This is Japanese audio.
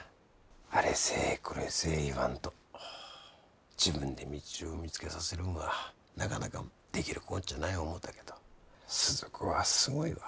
あれせえこれせえ言わんと自分で道を見つけさせるんはなかなかできるこっちゃない思うたけど鈴子はすごいわ。